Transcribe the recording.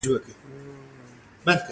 وسله د زړه خلاف ده